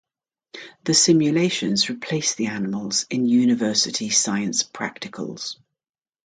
The simulations replace the animals in university science practicals.